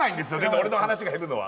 俺の話が減るのは。